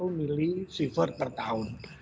satu milisievert per tahun